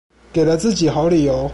給了自己好理由